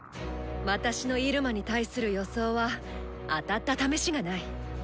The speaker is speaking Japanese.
私のイルマに対する予想は当たったためしがない。